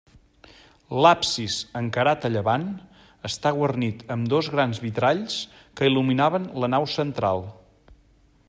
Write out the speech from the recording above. L'absis, encarat a llevant, està guarnit amb dos grans vitralls que il·luminaven la nau central.